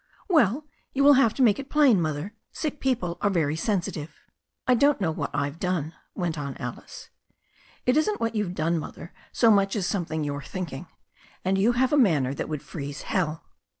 '* "Well, you will have to make it plain. Mother. Sick peo ple are very sensitive." 1 don't know what I've done, went on Alice. 'It isn't what you've done, MotHer, so much as something you're thinking. And you have a manner that would freeze hell."